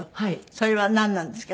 それはなんなんですか？